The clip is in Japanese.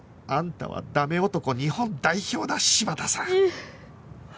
あんたはダメ男日本代表だ芝田さん！